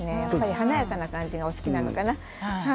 華やかな感じがお好きなのかな。